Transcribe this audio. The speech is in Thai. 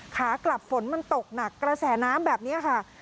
ขากลับฝนมันตกหนักกระแสน้ำแบบนี้ค่ะ